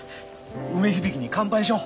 梅響に乾杯しよう。